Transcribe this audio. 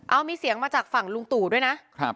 เอามีเสียงมาจากฝั่งลุงตู่ด้วยนะ